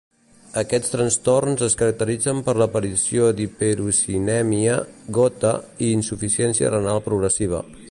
Aquests trastorns es caracteritzen per l'aparició d'hiperuricèmia, gota i insuficiència renal progressiva.